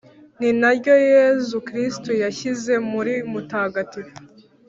ni naryo yezu kristu yashyize muri mutagatifu